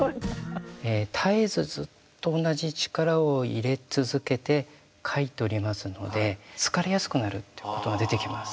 絶えずずっと同じ力を入れ続けて書いておりますので疲れやすくなるっていうことが出てきます。